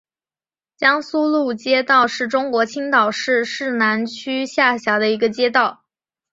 江苏路街道是中国青岛市市南区下辖的一个街道。